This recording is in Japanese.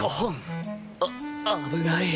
あ危ない